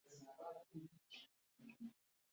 itegeko ry u Rwanda iry igihugu yabereyemo